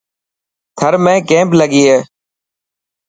ٿر ۾ ڪيمپ لگي هي.